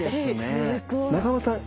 仲間さん